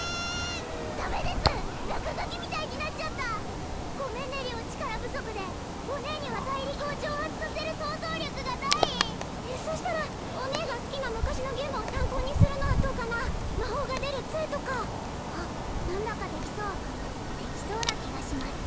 ダメです落書きみたいになっちゃったごめんね良力不足でお姉には大陸を蒸発させる想像力がないそしたらお姉が好きな昔のゲームを参考にするのはどうかな魔法が出る杖とかあっ何だかできそうできそうな気がします